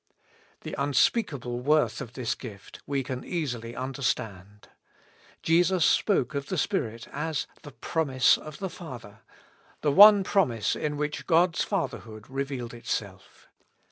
The unspeakable worth of this gift we can easily understand. Jesus spoke of the Spirit as " the promise of the Father;" the one promise in which God's Fatherhood revealed itself.